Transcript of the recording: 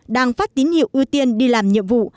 đang phát tín hiệu ưu tiên đi làm nhiệm vụ